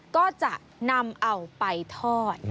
ก็จะนำเอาไปทอด